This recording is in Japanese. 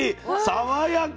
爽やか。